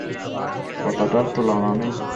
প্রথাটার তুলনা নেই!